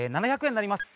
７００円になります